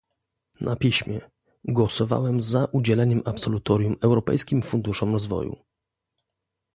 na piśmie - Głosowałem za udzieleniem absolutorium Europejskim Funduszom Rozwoju